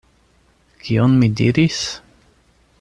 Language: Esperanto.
Kion mi diris?